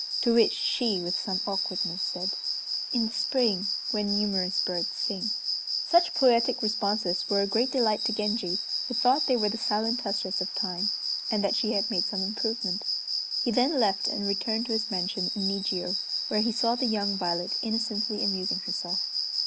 To which she, with some awkwardness, said, "In the spring, when numerous birds sing." Such poetic responses were a great delight to Genji, who thought they were the silent touches of time, and that she had made some improvement. He then left and returned to his mansion in Nijiô, where he saw the young Violet innocently amusing herself.